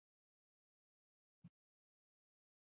لوبه ښه وه